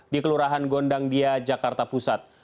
di kelurahan gondangdia jakarta pusat